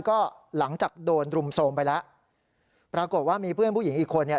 ก็หลังจากโดนรุมโทรมไปแล้วปรากฏว่ามีเพื่อนผู้หญิงอีกคนเนี่ย